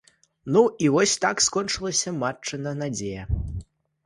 Ну і вось так скончылася матчына надзея.